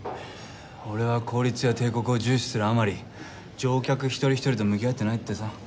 俺は効率や定刻を重視するあまり乗客一人一人と向き合ってないってさ。